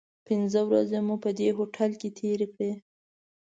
پنځه ورځې مو په دې هوټل کې تیرې کړې.